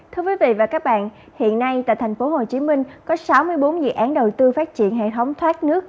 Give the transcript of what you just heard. thưa quý vị và các bạn hiện nay tại thành phố hồ chí minh có sáu mươi bốn dự án đầu tư phát triển hệ thống thoát nước